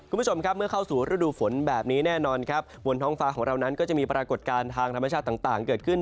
คุณผู้ชมครับเมื่อเข้าสู่ฤดูฝนแบบนี้แน่นอนครับบนท้องฟ้าของเรานั้นก็จะมีปรากฏการณ์ทางธรรมชาติต่างเกิดขึ้น